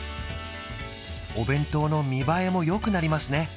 お弁当の見栄えもよくなりますね